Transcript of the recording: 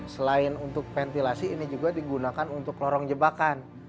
selain untuk ventilasi ini juga digunakan untuk lorong jebakan